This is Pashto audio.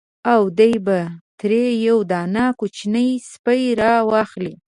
او دی به ترې یو دانه کوچنی سپی را واخلي.